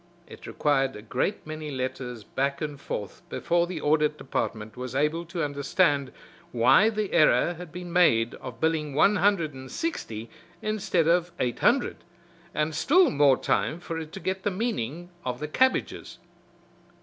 It required a great many letters back and forth before the Audit Department was able to understand why the error had been made of billing one hundred and sixty instead of eight hundred, and still more time for it to get the meaning of the "cabbages."